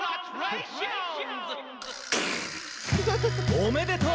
「おめでとう！」